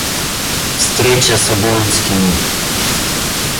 Встреча с Облонскими.